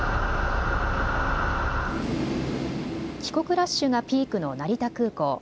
帰国ラッシュがピークの成田空港。